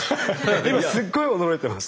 今すっごい驚いてます。